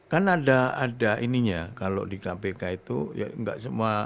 kan ada ada ininya kalau di kpk itu ya nggak semua